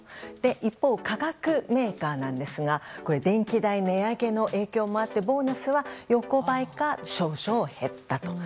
一方、化学メーカーなんですが電気代値上げの影響もあってボーナスは横ばいか少々減ったと。